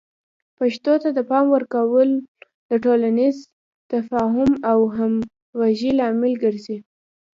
پښتو ته د پام ورکول د ټولنیز تفاهم او همغږۍ لامل ګرځي.